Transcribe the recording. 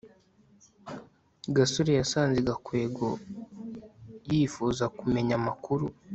gasore yasanze gakwego yifuza kumenya amakuru